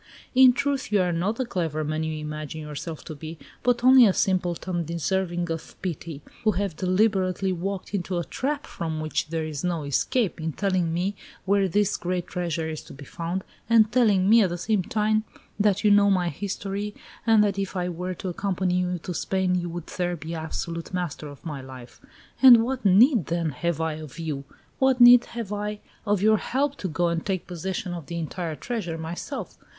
In truth, you are not the clever man you imagine yourself to be, but only a simpleton deserving of pity, who have deliberately walked into a trap from which there is no escape, in telling me where this great treasure is to be found, and telling me at the same time that you know my history, and that if I were to accompany you to Spain you would there be absolute master of my life. And what need, then, have I of you? What need have I of your help to go and take possession of the entire treasure myself?